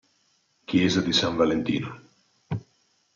Chiesa di San Valentino